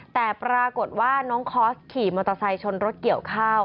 แต่ปรากฏว่าน้องคอร์สขี่มอเตอร์ไซค์ชนรถเกี่ยวข้าว